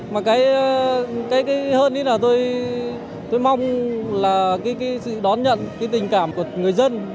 mà cái hơn thì là tôi mong là cái sự đón nhận cái tình cảm của người dân